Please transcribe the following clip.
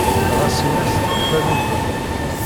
Ɣas in-as tekfa nnuba.